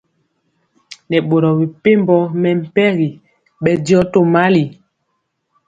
Nɛ boro mepempɔ mɛmpegi bɛndiɔ tomali.